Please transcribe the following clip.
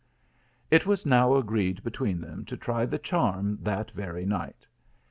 It was now agreed between them to try the charm that very night.